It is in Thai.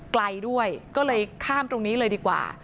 ไกลด้วยก็เลยข้ามตรงนี้เลยดีกว่า